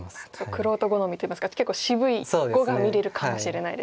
玄人好みといいますか結構渋い碁が見れるかもしれないですね。